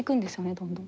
どんどん。